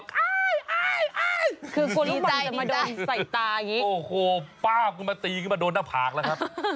คือกูรีใจดีแต่โอ้โหป๊าบกูมาตีขึ้นมาโดนหน้าผากละครับ